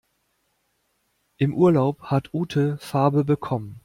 Im Urlaub hat Ute Farbe bekommen.